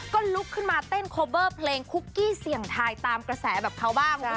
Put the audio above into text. ก็ลุกขึ้นมาเต้นโคเบอร์เพลงคุกกี้เสี่ยงทายตามกระแสแบบเขาบ้าง